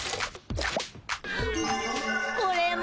これも。